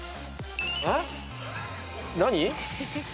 えっ何？